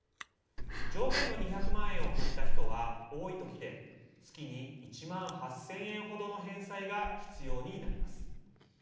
上限の２００万円を借りた人は多い時で月に１万８０００円程の返済が必要になります。